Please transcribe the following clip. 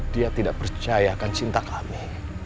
dia tidak percayakan cinta kami